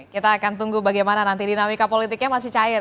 kita akan tunggu bagaimana nanti dinamika politiknya masih cair